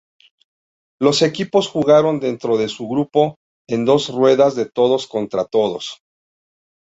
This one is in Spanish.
Los equipos jugarán dentro de su grupo en dos ruedas de todos contra todos.